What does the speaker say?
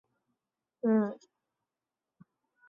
湛江雌盘吸虫为微茎科雌盘属的动物。